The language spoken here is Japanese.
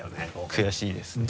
悔しいですね。